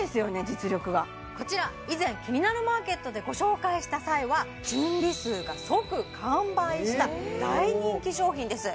実力がこちら以前「キニナルマーケット」でご紹介した際は準備数が即完売した大人気商品です